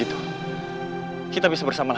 aku akan menang